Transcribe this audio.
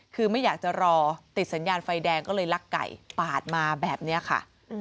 คือไม่อยากจะรอติดสัญญาณไฟแดงก็เลยลักไก่ปาดมาแบบนี้ค่ะ